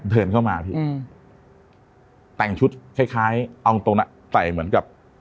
เดินเข้ามาพี่อืมแต่งชุดคล้ายคล้ายเอาตรงตรงนะใส่เหมือนกับ